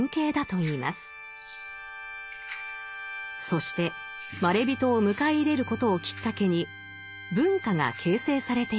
そしてまれびとを迎え入れることをきっかけに文化が形成されていきました。